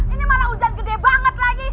ini malah hujan gede banget lagi